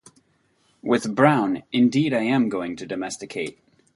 With Brown indeed I am going to domesticate.